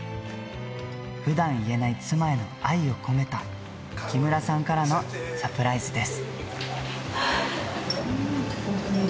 ふだん言えない妻への愛を込めた、木村さんからのサプライズです。